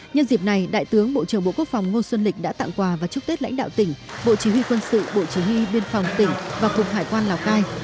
nhân dịp này đại tướng bộ trưởng bộ quốc phòng ngô xuân lịch đã tặng quà và chúc tết lãnh đạo tỉnh bộ chỉ huy quân sự bộ chỉ huy biên phòng tỉnh và cục hải quan lào cai